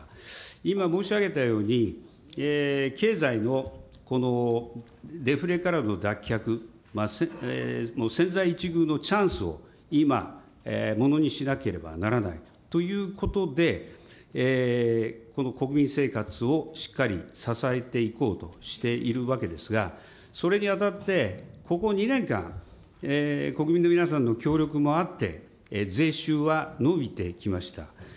今申し上げたように、経済のデフレからの脱却、千載一遇のチャンスを今、ものにしなければならないということで、この国民生活をしっかり支えていこうとしているわけですが、それにあたって、ここ２年間、国民の皆さんの協力もあって、税収は伸びてきました。